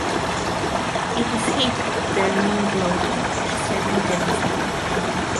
“It is hateful, their mean gloating,” she said intensely.